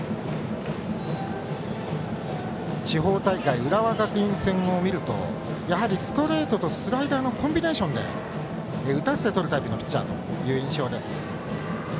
地方大会、浦和学院戦を見るとやはりストレートとスライダーのコンビネーションで打たせてとるタイプのピッチャーという印象です。